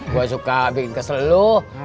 gua suka bikin kesel lu